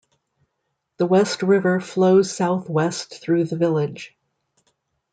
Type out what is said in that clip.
The West River flows southwest through the village.